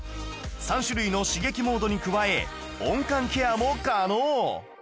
３種類の刺激モードに加え温感ケアも可能